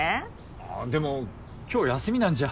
あでも今日休みなんじゃ。